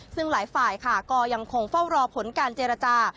ซึ่งหลายฝ่ายค่ะก็ยังคงเฝ้ารอผลการเจรจา